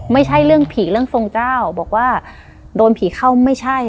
ไม่ใช่เรื่องผีเรื่องทรงเจ้าบอกว่าโดนผีเข้าไม่ใช่